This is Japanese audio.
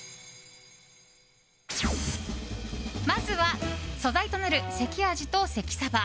まずは、素材となる関あじと関さば。